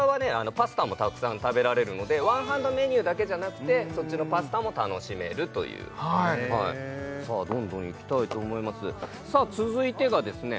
パスタもたくさん食べられるのでワンハンドメニューだけじゃなくてそっちのパスタも楽しめるというはいさあどんどんいきたいと思います続いてがですね